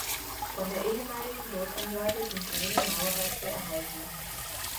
Von der ehemaligen Burganlage sind geringe Mauerreste erhalten.